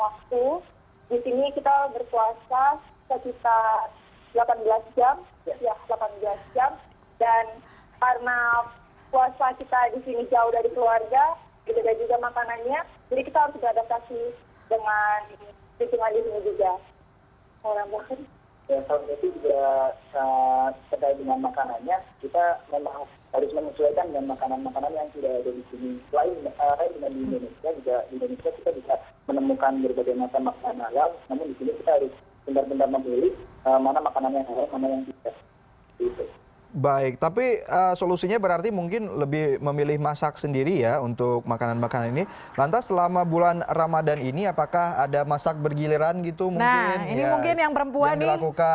nah ini mungkin yang perempuan nih puspita pernah masak makanan indonesia apa di sana